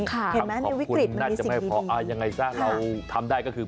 คำขอบคุณน่าจะไม่พอยังไงซะเราทำได้ก็คือ